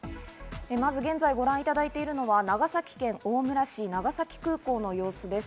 まず現在、ご覧いただいているのは長崎県大村市、長崎空港の様子です。